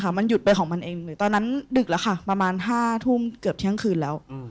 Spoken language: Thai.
มันหยุดไปของมันเองเลยตอนนั้นดึกแล้วค่ะประมาณ๕ทุ่มเกือบเที่ยงคืนแล้ว